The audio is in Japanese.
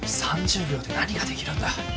３０秒で何ができるんだ？